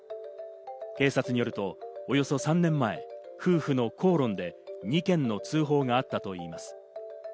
警察によるとおよそ３年前、夫婦の口論で２件の通報があったといいます。